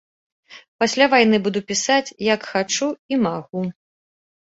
Пасля вайны буду пісаць, як хачу і магу.